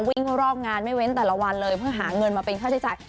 วิ่งเข้ารอบงานไม่เว้นแต่ละวันเลยเพื่อหาเงินมาเป็นค่าใช้จ่าย